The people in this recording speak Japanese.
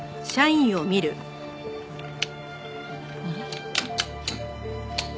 あれ？